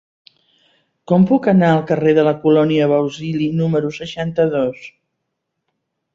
Com puc anar al carrer de la Colònia Bausili número seixanta-dos?